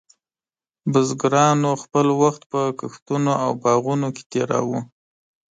بزګرانو خپل وخت په کښتونو او باغونو کې تېراوه.